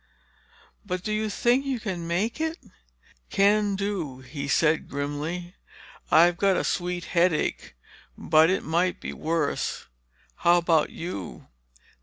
"But do you think you can make it?" "Can do," he said grimly. "I've got a sweet headache, but it might be worse. How about you?"